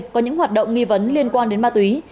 có những hoạt động nghi vấn liên quan đến ma túy